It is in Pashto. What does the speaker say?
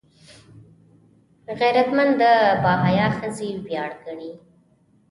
غیرتمند د باحیا ښځې ویاړ ګڼي